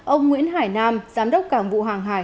ông nguyễn hải nam giám đốc cảng vụ hàng hải